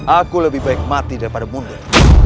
aku lebih baik mati daripada mundur